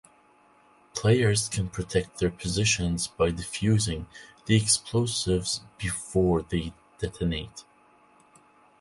Players can protect their positions by defusing the explosives before they detonate.